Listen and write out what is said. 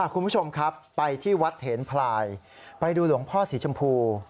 คุณผู้ชมครับไปที่วัดเถนพลายไปดูหลวงพ่อสีชมพู